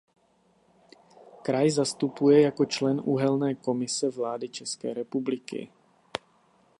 Kraj zastupuje jako člen Uhelné komise vlády České republiky.